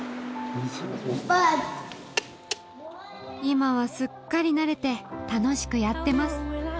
今はすっかりなれて楽しくやってます